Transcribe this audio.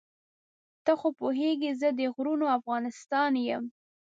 ته خو پوهېږې زه د غرونو افغانستان یم.